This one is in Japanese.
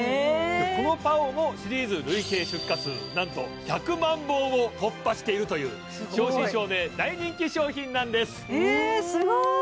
このＰＡＯもシリーズ累計出荷数なんと１００万本を突破しているという正真正銘大人気商品なんですえ